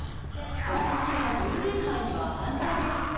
私はルール違反には反対です。